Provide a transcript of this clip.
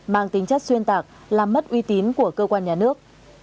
mang tính chất xuyên tạc làm mất uy tín của cơ quan nhà nước